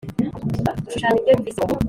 gushushanya ibyo yumvise mu nkuru.